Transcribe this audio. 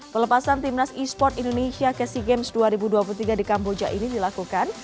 pelepasan timnas e sport indonesia ke sea games dua ribu dua puluh tiga di kamboja ini dilakukan